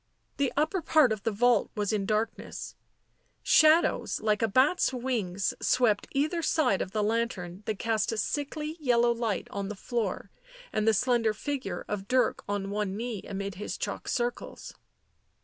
The upper part of the vault was in darkness ; shadows like a bat's wings swept either side of the lantern that cast a sickly yellow light on the floor, and the slender figure of Dirk on one knee amid his chalk circles.